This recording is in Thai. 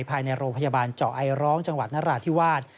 ภายในโรงพยาบาลเจาะไอร้องจังหวัดนราธิวาส